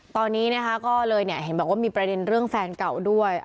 ตอนนี้นะคะก็เลยเห็นบอกว่ามีประเด็นเรื่องแฟนเก่าด้วย